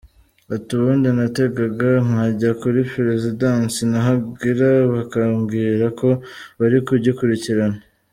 Ati “Ubundi narategaga nkajya kuri peresidansi nahagera bakambwira ko bari kugikurikirana.